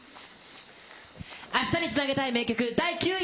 明日につなげたい名曲、第９位。